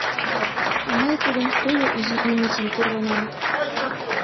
А мый тудын туйо изи ӱмыржым кӱрлынам...